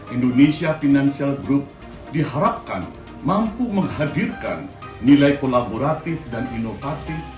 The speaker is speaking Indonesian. indonesia financial group diharapkan mampu menghadirkan nilai kolaboratif dan inovatif